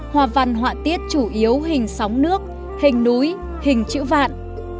hoa văn họa tiết chủ yếu hình sóng nước hình núi hình chữ vạn